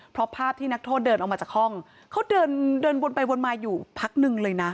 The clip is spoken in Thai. เพราะภาพที่นักโทษเดินออกมาจากห้องเขาเดินเดินวนไปวนมาอยู่พักหนึ่งเลยนะ